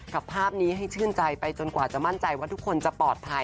ภาพนี้ให้ชื่นใจไปจนกว่าจะมั่นใจว่าทุกคนจะปลอดภัย